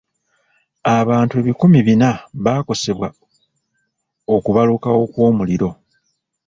Abantu ebikumi bina baakosebwa okubalukawo kw'omuliro.